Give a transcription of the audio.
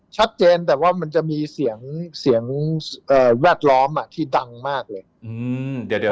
ชัดเจนแต่ว่ามันจะมีเสียงเสียงแวดล้อมที่ดังมากเลย